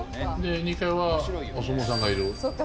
２階はお相撲さんがいる。